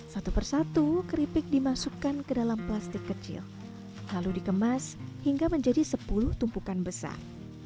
satu persatu keripik dimasukkan ke dalam plastik kecil lalu dikemas hingga menjadi sepuluh tumpukan besar